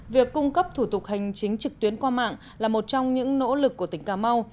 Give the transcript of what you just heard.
việc cung cấp thủ tục hành chính trực tuyến qua mạng là một trong những nỗ lực của tỉnh cà mau